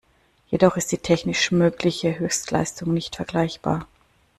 Jedoch ist die technisch mögliche Höchstleistung nicht vergleichbar.